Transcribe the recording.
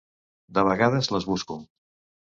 De vegades les busco.